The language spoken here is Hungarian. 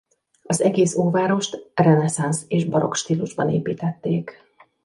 Az egész Óvárost reneszánsz és barokk stílusban építették.